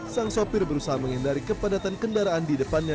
sang sopir berusaha menghindari kepadatan kendaraan di depannya